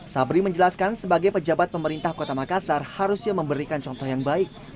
sabri menjelaskan sebagai pejabat pemerintah kota makassar harusnya memberikan contoh yang baik